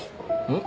ん？